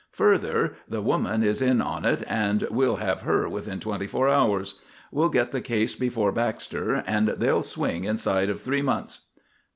Further: the woman is in on it and we'll have her within twenty four hours. We'll get the case before Baxter and they'll swing inside of three months."